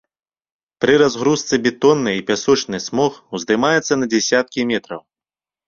Пры разгрузцы бетонны і пясочны смог уздымаецца на дзясяткі метраў.